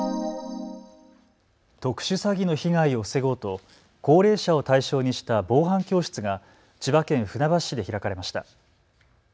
特殊詐欺の被害を防ごうと高齢者を対象にした防犯教室が千葉県船橋市で開かれました。